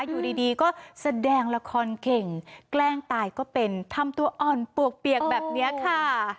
อยู่ดีก็แสดงละครเก่งแกล้งตายก็เป็นทำตัวอ่อนปวกเปียกแบบนี้ค่ะ